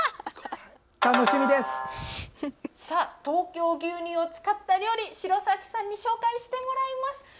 東京牛乳を使った料理城咲さんに紹介してもらいます。